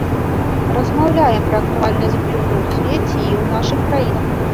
Размаўляем пра актуальнасць блюза ў свеце і ў нашых краінах.